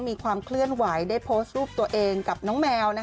มีความเคลื่อนไหวได้โพสต์รูปตัวเองกับน้องแมว